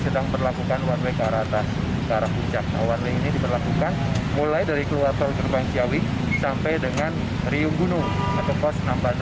one way ini diberlakukan mulai dari keluar pantau jepang jauhik sampai dengan riung gunung atau pos nampando